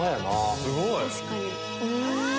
すごい！